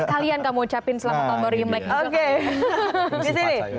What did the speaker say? kalian kamu ucapin selamat hari raya imlek